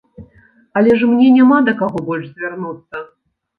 Але ж мне няма да каго больш звярнуцца.